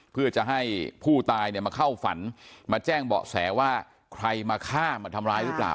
เพื่อจะให้ผู้ตายเนี่ยมาเข้าฝันมาแจ้งเบาะแสว่าใครมาฆ่ามาทำร้ายหรือเปล่า